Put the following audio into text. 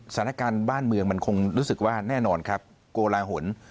สถานการณ์บ้านเมืองมันคงรู้สึกว่าแน่นอนครับโกลาหล